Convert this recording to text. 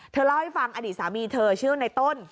เล่าให้ฟังอดีตสามีเธอชื่อในต้น